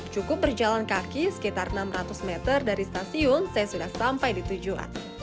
cukup berjalan kaki sekitar enam ratus meter dari stasiun saya sudah sampai di tujuan